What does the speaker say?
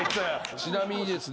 ちなみにですね。